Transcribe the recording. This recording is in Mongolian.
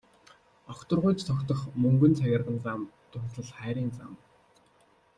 Огторгуйд тогтох мөнгөн цагирган зам дурлал хайрын зам.